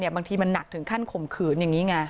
บางทีมันหนักถึงขั้นข่มขืนอย่างนี้ไง